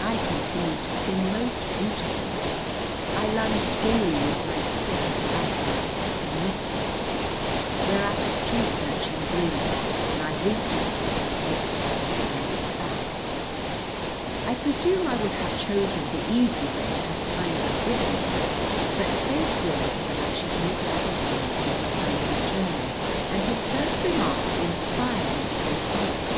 I continued to sing most beautifully. I lunged gayly with my stick at a lamp post and missed it, whereat a street urchin grinned, and I winked at him and slipped twopence down his back. I presume I would have chosen the easy way had time been given me, but fate willed that I should meet the husband on his homeward journey, and his first remark inspired me to a folly.